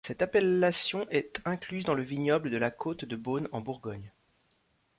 Cette appellation est incluse dans le vignoble de la côte de Beaune, en Bourgogne.